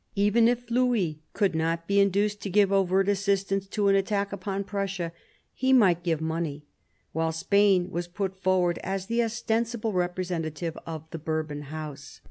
Even if Louis could not be induced to give overt assistance to an attack upon Prussia, he might give money, while Spain was put forward as the ostensible representative of the Bourbon House.